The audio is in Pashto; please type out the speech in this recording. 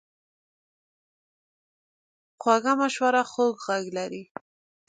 خوږه مشوره خوږ غږ لري.